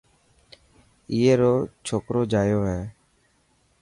اي رو ڇوڪرو جايو هي.